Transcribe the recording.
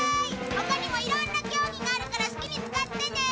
他にもいろんな競技があるから好きに使ってね。